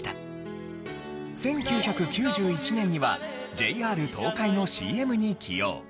１９９１年にはＪＲ東海のＣＭに起用。